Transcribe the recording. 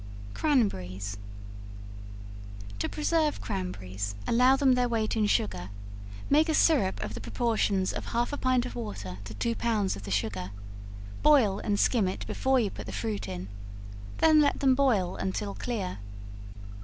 Cranberries. To preserve cranberries, allow them their weight in sugar; make a syrup of the proportions of half a pint of water to two pounds of the sugar; boil and skim it before you put the fruit in; then let them boil until clear.